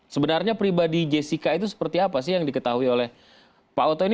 sebenarnya pribadi jessica itu seperti apa sih yang diketahui oleh pak oto ini